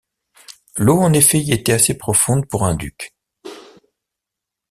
L’eau en effet y était assez profonde pour un duc.